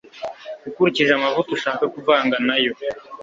ukurikije amavuta ushaka kuvanga nayo.